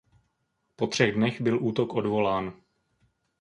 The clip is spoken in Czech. Po třech dnech byl útok odvolán.